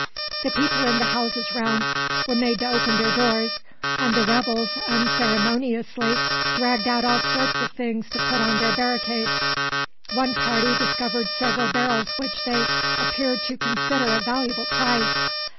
The people in the houses round were made to open their doors, and the rebels unceremoniously dragged out all sorts of things to put on their barricade. One party discovered several barrels which they appeared to consider a valuable prize.